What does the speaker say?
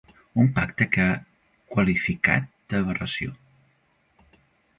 Un pacte que ha qualificat d’aberració.